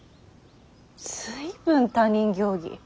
随分他人行儀。